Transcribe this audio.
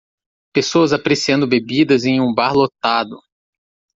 Pessoas apreciando bebidas em um bar lotado.